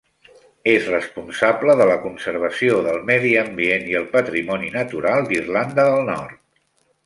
És responsable de la conservació del medi ambient i el patrimoni natural d'Irlanda del Nord.